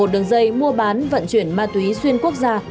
một đường dây mua bán vận chuyển ma túy xuyên quốc gia